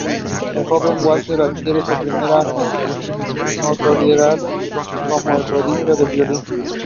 Many of the horses and donkeys bred are passed on to farmers and breeders.